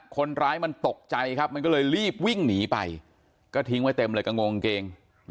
คนร้ายมันตกใจครับมันก็เลยรีบวิ่งหนีไปก็ทิ้งไว้เต็มเลยกระงงกางเกง